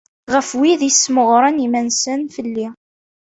Ɣef wid issemɣaren iman-nsen fell-i.